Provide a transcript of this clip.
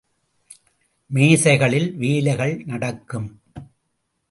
மேசைகளில் வேலைகள் நடக்கும்.